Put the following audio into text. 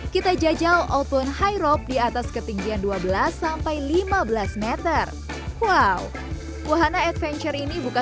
kita jajal outbound high rope di atas ketinggian dua belas sampai lima belas m wow wahana adventure ini buka